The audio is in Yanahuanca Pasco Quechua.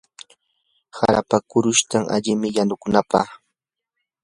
harapa qurushtan alimi yanukunapaq.